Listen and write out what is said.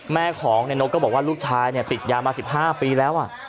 แม่ของเน็ตนกก็บอกว่าลูกชายเนี่ยติดยามา๑๕ปีแล้วอ่ะ